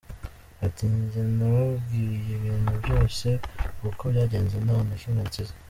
Ati “Njye nababwiye ibintu byose uko byagenze nta na kimwe nsize.